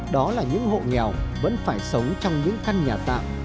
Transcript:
đó là những hộ nghèo vẫn phải sống trong những căn nhà tạm